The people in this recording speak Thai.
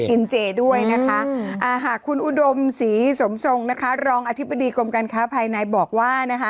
เจด้วยนะคะอ่าหากคุณอุดมศรีสมทรงนะคะรองอธิบดีกรมการค้าภายในบอกว่านะคะ